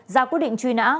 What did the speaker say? ra quyết định truy nã